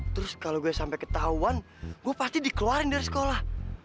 terus kalau gue sampai ketahuan gue pasti dikeluarin dari sekolah